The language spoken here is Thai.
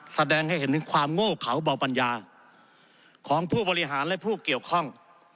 แสดงให้เห็นถึงความโง่เขาเบาปัญญาของผู้บริหารและผู้เกี่ยวข้อง